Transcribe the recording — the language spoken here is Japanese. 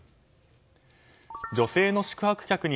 女性の宿泊客に